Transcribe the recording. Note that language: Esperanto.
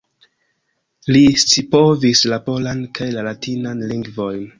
Li scipovis la polan kaj la latinan lingvojn.